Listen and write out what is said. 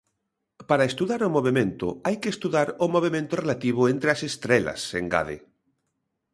Para estudar o movemento hai que estudar o movemento relativo entre as estrelas, engade.